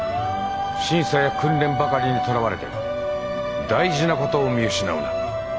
審査や訓練ばかりにとらわれて大事なことを見失うな。